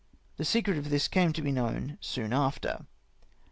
The secret of this came to be known soon after."